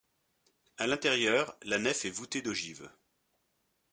À l'intérieur, la nef est voûtée d'ogives.